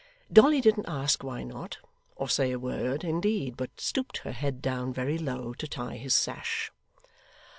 Dolly didn't ask why not, or say a word, indeed, but stooped her head down very low to tie his sash.